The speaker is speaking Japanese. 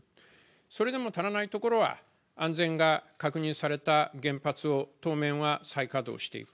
それでも足らないところは、安全が確認された原発を当面は再稼働していく。